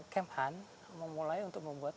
kemp han memulai untuk membuat